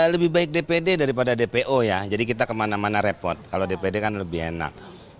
lebih baik dpd daripada dpo ya jadi kita kemana mana repot kalau dpd kan lebih enak